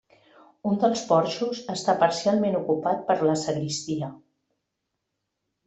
Un dels porxos està parcialment ocupat per la sagristia.